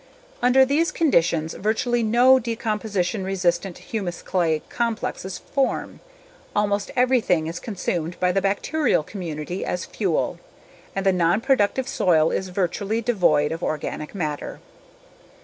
Under those conditions virtually no decomposition resistant humus/clay complexes form; almost everything is consumed by the bacterial community as fuel. And the non productive soil is virtually devoid of organic matter.